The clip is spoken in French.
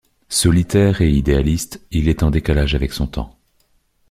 Solitaire et idéaliste, il est en décalage avec son temps.